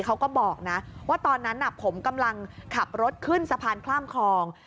เขาก็บอกนะว่าตอนนั้นผมกำลังขับรถขึ้นสะพานข้ามคลอง